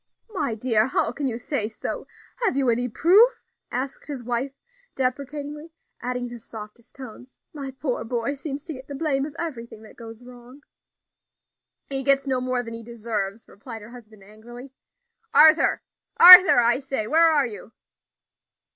"My dear, how can you say so? have you any proof?" asked his wife, deprecatingly adding in her softest tones, "my poor boy seems to get the blame of everything that goes wrong." "He gets no more than he deserves," replied her husband angrily. "Arthur! Arthur, I say, where are you?"